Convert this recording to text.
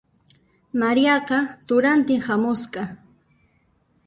Mariaqa turantin hamusqa.